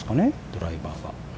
ドライバーは。